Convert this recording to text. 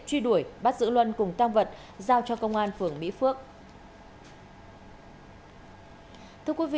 truy đuổi bắt giữ luân cùng tăng vật giao cho công an phường mỹ phước